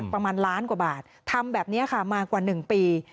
ประมาณล้านกว่าบาททำแบบนี้ค่ะมากว่า๑ปี